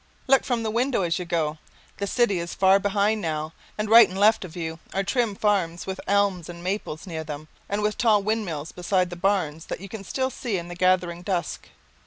Look from the window as you go. The city is far behind now and right and left of you there are trim farms with elms and maples near them and with tall windmills beside the barns that you can still see in the gathering dusk.